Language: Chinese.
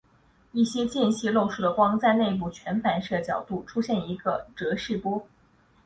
一些间隙漏出的光在内部全反射角度出现一个渐逝波。